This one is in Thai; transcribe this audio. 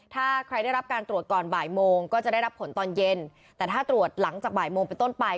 ถ้าใครได้รับการตรวจก่อนบ่ายโมงก็จะได้รับผลตอนเย็นแต่ถ้าตรวจหลังจากบ่ายโมงเป็นต้นไป